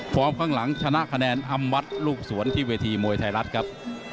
ข้างหลังชนะคะแนนอำวัดลูกสวนที่เวทีมวยไทยรัฐครับ